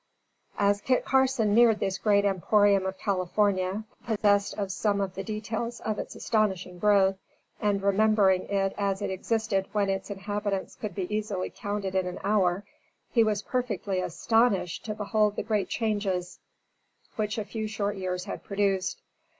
As Kit Carson neared this great emporium of California, possessed of some of the details of its astonishing growth, and remembering it as it existed when its inhabitants could be easily counted in an hour, he was perfectly astonished to behold the great changes which a few short years had produced.